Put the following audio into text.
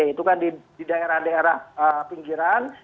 itu kan di daerah daerah pinggiran